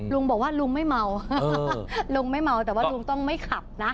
ลุงบอกว่าลุงไม่เมาแต่ว่าต้องไม่ขับนะ